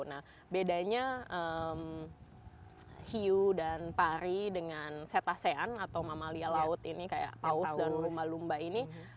nah bedanya hiu dan pari dengan cetacean atau mamalia laut ini kayak paus dan lumba lumba ini